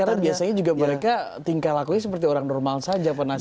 tapi karena biasanya juga mereka tingkah lakunya seperti orang normal saja pak nasir